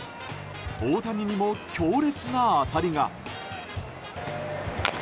大谷にも強烈な当たりが。